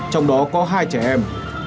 trong đó có hai trẻ em